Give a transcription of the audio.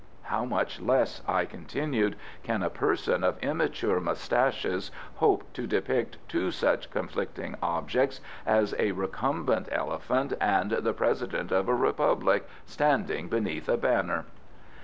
How much less," I continued, "can a person of immature moustaches hope to depict two such conflicting objects as a recumbent elephant and the President of a Republic standing beneath a banner?"